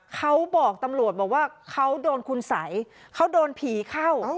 เขาบอกตำรวจบอกว่าเขาโดนคุณสัยเขาโดนผีเข้า